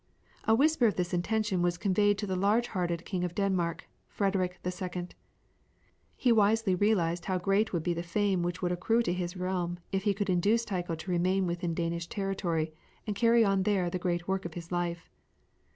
A whisper of this intention was conveyed to the large hearted King of Denmark, Frederick II. He wisely realised how great would be the fame which would accrue to his realm if he could induce Tycho to remain within Danish territory and carry on there the great work of his life.